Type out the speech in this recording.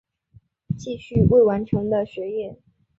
继续未完成的学业